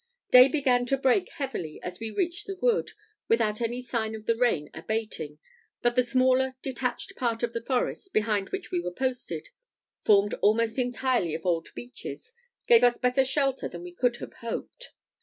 Day began to break heavily as we reached the wood, without any sign of the rain abating; but the smaller detached part of the forest, behind which we were posted, formed almost entirely of old beeches, gave us better shelter than we could have hoped.